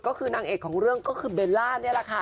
ก็คือนางเอกของเรื่องก็คือเบลล่านี่แหละค่ะ